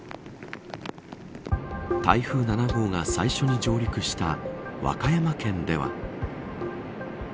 台風７号が最初に上陸した和歌山県では。